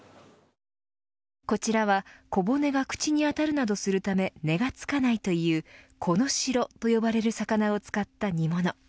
こちらは小骨が口に当たるなどするため値がつかないというコノシロと呼ばれる魚を使った煮物。